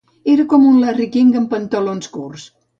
Era com un Larry King amb pantalons curts.